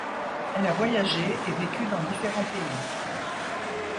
Elle a voyagé et vécu dans différents pays.